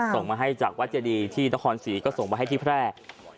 ส่งมาเจระดีที่ดรศรีก็ส่งมาที่แพร่